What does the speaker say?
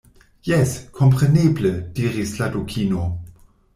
"Jes, kompreneble," diris la Dukino.